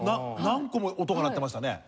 何個も音が鳴ってましたね。